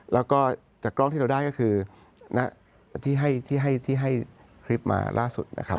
แล้วก็จากกล้องที่เราได้ก็คือที่ให้คลิปมาล่าสุดนะครับ